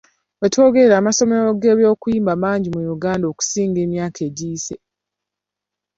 Wetwogerera, amasomero g'eby'okuyimba mangi mu Uganda okusinga emyaka egiyise.